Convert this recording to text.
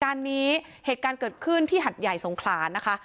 การนี้เหตุการณ์เกิดขึ้นที่หัดใหญ่สงขลานะคะ